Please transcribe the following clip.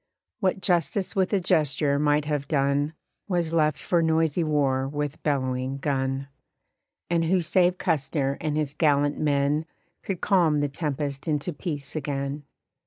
What Justice with a gesture might have done Was left for noisy war with bellowing gun. And who save Custer and his gallant men Could calm the tempest into peace again?